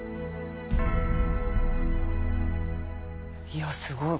いやすごい。